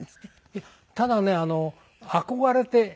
いやただね憧れて。